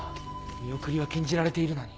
見送りは禁じられているのに。